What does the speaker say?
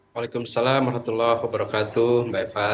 waalaikumsalam warahmatullahi wabarakatuh mbak eva